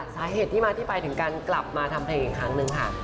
สาเหตุที่มาที่ไปถึงการกลับมาทำเพลงอีกครั้งนึงค่ะ